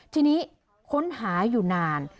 ทีนี้ค้นหาอยู่นาน